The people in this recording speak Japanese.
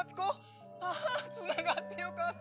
ああつながってよかった。